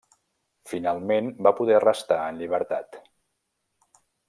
Finalment va poder restar en llibertat.